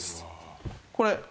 これ。